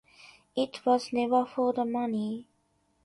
It was never for the money.